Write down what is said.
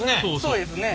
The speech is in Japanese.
そうですね。